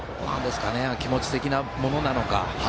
気持ち的なものなのか。